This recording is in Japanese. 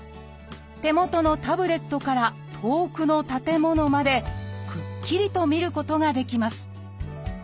手元のタブレットから遠くの建物までくっきりと見ることができます